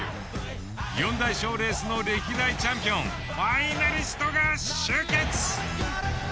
４大賞レースの歴代チャンピオンファイナリストが集結。